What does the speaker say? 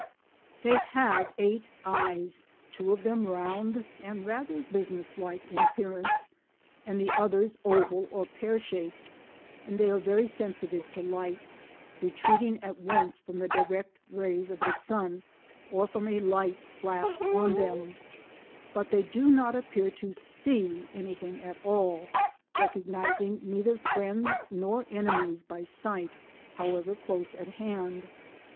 They have eight eyes—two of them round and rather business like in appearance, and the others oval or pear shaped—and they are very sensitive to light, retreating at once from the direct rays of the sun or from a light flashed on them, but they do not appear to see anything at all, recognising neither friends nor enemies by sight, however close at hand.